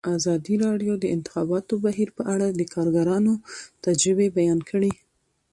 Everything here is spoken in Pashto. ازادي راډیو د د انتخاباتو بهیر په اړه د کارګرانو تجربې بیان کړي.